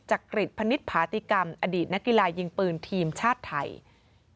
จากกฤษพนิษภาษีกรรมอดีตนกีฬายิงปืนทีมชาติไทย